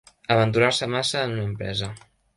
Aventurar-se massa en una empresa.